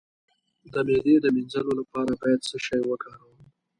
د معدې د مینځلو لپاره باید څه شی وکاروم؟